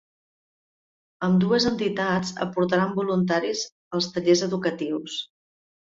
Ambdues entitats aportaran voluntaris als tallers educatius.